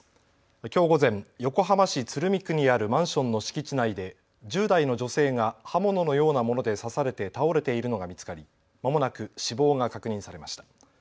きょう午前、横浜市鶴見区にあるマンションの敷地内で１０代の女性が刃物のようなもので刺されて倒れているのが見つかりまもなく死亡が確認されました。